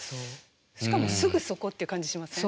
しかもすぐそこっていう感じしません？